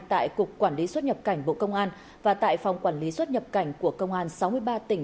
tại cục quản lý xuất nhập cảnh bộ công an và tại phòng quản lý xuất nhập cảnh của công an sáu mươi ba tỉnh